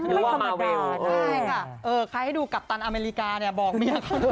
หรือว่ามาเรลใช่ค่ะเออใครให้ดูกัปตันอเมริกาเนี่ยบอกเมียเขาด้วย